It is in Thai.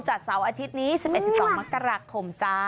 เสาร์อาทิตย์นี้๑๑๑๒มกราคมจ้า